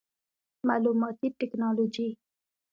معلوماتي ټکنالوجي